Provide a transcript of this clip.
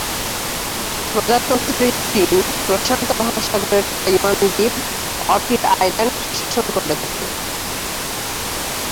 প্রজাতন্ত্রী চীন প্রশান্ত মহাসাগরের তাইওয়ান দ্বীপ, অর্কিড আইল্যান্ড, শাসন করে থাকে।